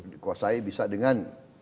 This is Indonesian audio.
dikuasai bisa dengan